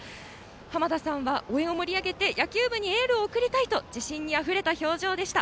濱田さんは野球部にエールを送りたいと自信にあふれた表情でした。